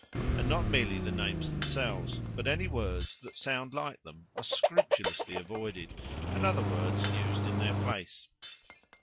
And not merely the names themselves, but any words that sound like them are scrupulously avoided and other words used in their place.